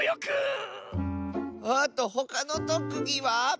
あとほかのとくぎは？